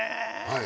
はい。